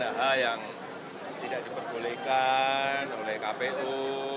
ada hal yang tidak diperbolehkan oleh kpu